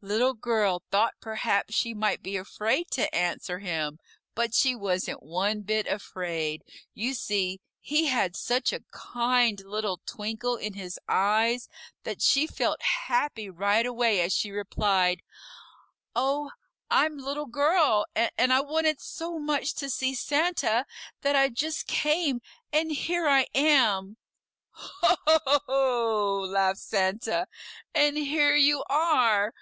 Little Girl thought perhaps she might be afraid to answer him, but she wasn't one bit afraid. You see he had such a kind little twinkle in his eyes that she felt happy right away as she replied, "Oh, I'm Little Girl, and I wanted so much to see Santa that I just came, and here I am!" "Ho, ho, ho, ho, ho!" laughed Santa, "and here you are!